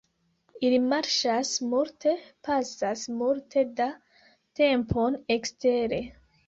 Ili marŝas multe, pasas multe da tempon ekstere.